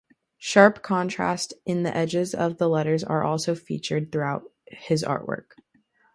Sharp contrast in the edges of the letters are also featured throughout his artwork.